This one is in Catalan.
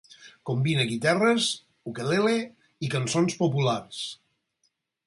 Combina guitarres, ukelele i cançons populars.